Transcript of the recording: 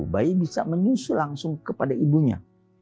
bayi bisa menyusu langsung kepada ibunya